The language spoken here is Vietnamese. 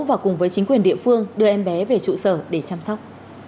và cùng với chính quyền địa phương đưa em bé về trụ sở để chăm sóc